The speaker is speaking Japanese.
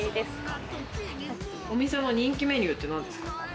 お店の人気メニューって何ですか？